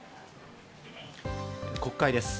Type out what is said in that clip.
国会です。